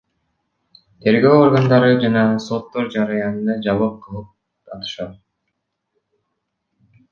Тергөө органдары жана соттор жараянды жабык кылып атышат.